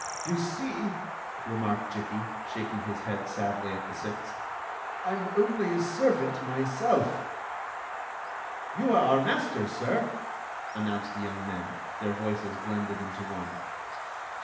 "You see," remarked Jikki, shaking his head sadly at the six, "1 'm only a servant myself. " You are our master, sir !" announced the young men, their voices blended into one.